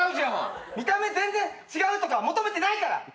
見た目全然違うとか求めてないから。